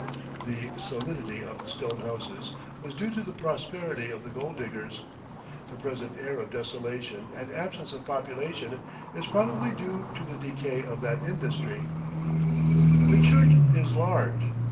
The solidity of the stone houses was due to the prosperity of the gold diggers. The present air of desolation and absence of population is probably due to the decay of that industry. FIGURE Ñusta Isppana The church is large.